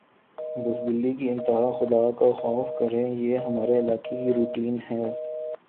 بزدلی کی انتہا خدا کا خوف کریں یہ ہمارے علاقے کی روٹین ھے